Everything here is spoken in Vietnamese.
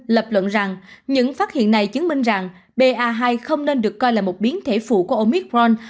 lập luận rằng những phát hiện này chứng minh rằng ba hai không nên được coi là một biến thể phụ của omicron